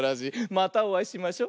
またおあいしましょ。